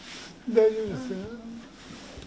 大丈夫ですよ。